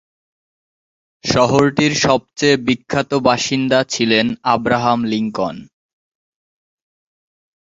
শহরটির সবচেয়ে বিখ্যাত বাসিন্দা ছিলেন আব্রাহাম লিঙ্কন।